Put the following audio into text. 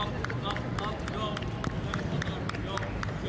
di situ kemudian menangis dengan berat